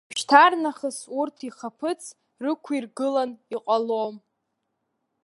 Уажәшьҭарнахыс урҭ ихаԥыц рықәиргылан иҟалом.